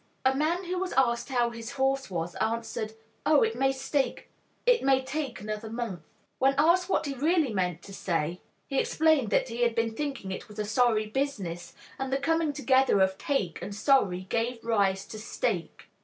A man who was asked how his horse was, answered, "Oh, it may stake it may take another month." When asked what he really meant to say, he explained that he had been thinking that it was a sorry business and the coming together of "take" and "sorry" gave rise to "stake."